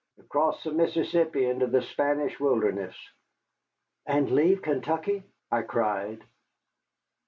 Acrost the Mississippi into the Spanish wilderness." "And leave Kentucky?" I cried.